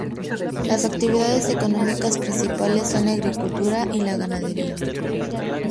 Las actividades económicas principales son la agricultura y la ganadería.